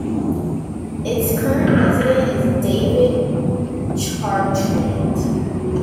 Its current president is David Chartrand.